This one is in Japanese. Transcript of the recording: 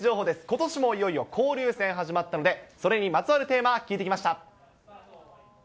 ことしもいよいよ交流戦始まったんで、それにまつわるテーマ、聞いてきました。